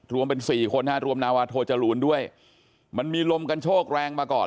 รวมเป็นสี่คนฮะรวมนาวาโทจรูนด้วยมันมีลมกันโชคแรงมาก่อน